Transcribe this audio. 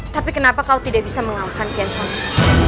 tapi kenapa kau tidak bisa mengalahkan kian sony